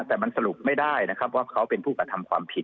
แต่มันสรุปไม่ได้นะครับว่าเขาเป็นผู้กระทำความผิด